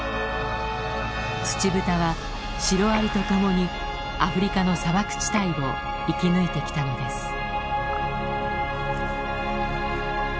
ツチブタはシロアリと共にアフリカの砂漠地帯を生き抜いてきたのです。